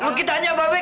lu ki tanya bapak